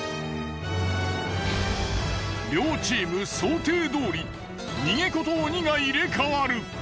両チーム想定どおり逃げ子と鬼が入れ替わる。